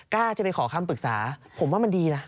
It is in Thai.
กล้าจะไปขอคำปรึกษาผมว่ามันดีนะ